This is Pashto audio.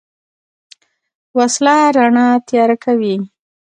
وسله رڼا تیاره کوي